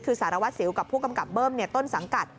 คือสารวัสสิวกับผู้กำกับเบิ้มต้นสังกัด